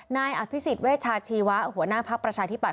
นายอภิษฎเวชาชีวะหัวหน้าภักดิ์ประชาธิบัต